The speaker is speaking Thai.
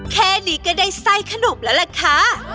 แค่นี้ก็ได้ไส้ขนุบแล้วล่ะค่ะ